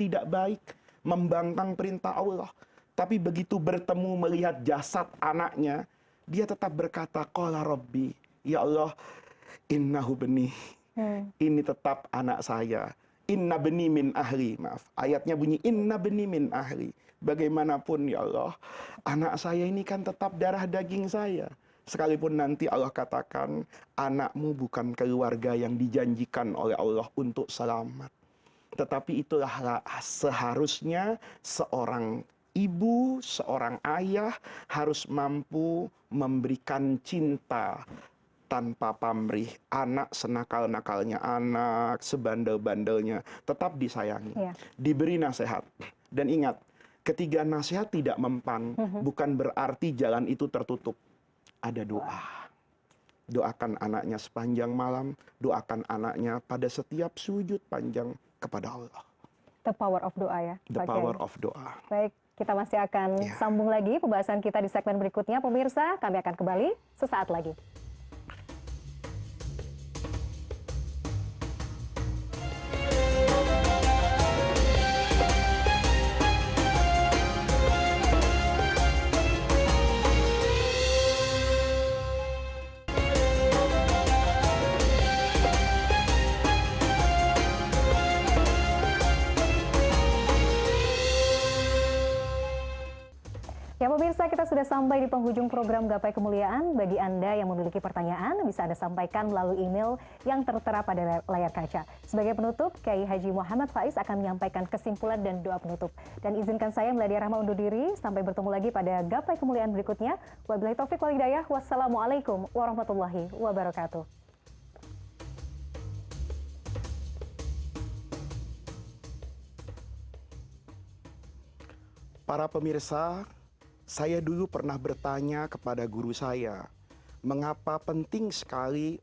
dari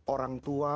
orang tua terhadap anak mungkin